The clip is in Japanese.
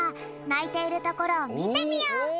ないているところをみてみよう！